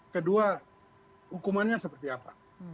kedua hukumannya seperti apa